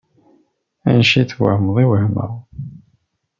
Anect i twehmeḍ i wehmeɣ.